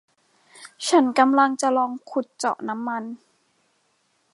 ฉันกำลังจะลองขุดเจาะน้ำมัน